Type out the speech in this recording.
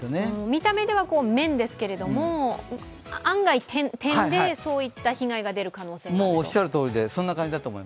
見た目では面ですけれども案外、点でそういった被害が出る可能性があると。